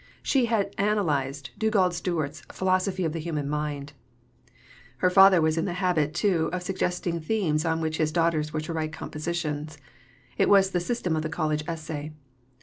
She had analysed Dugald Stewart's Philosophy of the Human Mind. Her father was in the habit, too, of suggesting themes on which his daughters were to write compositions. It was the system of the College Essay.